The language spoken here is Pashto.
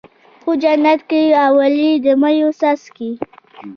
خو جنت کې اولي د مَيو څاڅکی